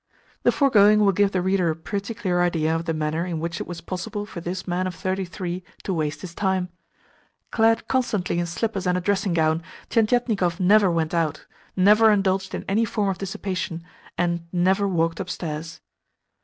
The foregoing will give the reader a pretty clear idea of the manner in which it was possible for this man of thirty three to waste his time. Clad constantly in slippers and a dressing gown, Tientietnikov never went out, never indulged in any form of dissipation, and never walked upstairs.